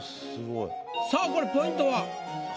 さあこれポイントは？